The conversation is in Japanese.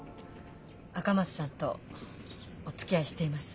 赤松さんとおつきあいしています。